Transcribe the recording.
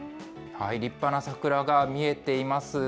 立派な桜が見えています。